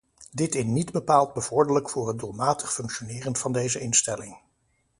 Dit in niet bepaald bevorderlijk voor het doelmatig functioneren van deze instelling.